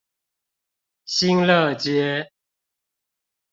新樂街